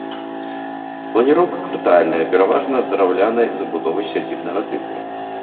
Планіроўка квартальная, пераважна з драўлянай забудовай сядзібнага тыпу.